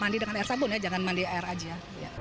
mandi dengan air sabun ya jangan mandi air aja